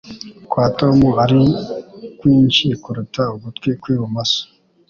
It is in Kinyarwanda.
kwa Tom ari kwinshi kuruta ugutwi kw'ibumoso